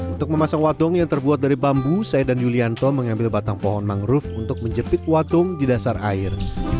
untuk memasang wadung yang terbuat dari bambu saya dan yulianto mengambil batang pohon mangrove untuk menjepit watung di dasar air